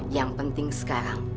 yang penting sekarang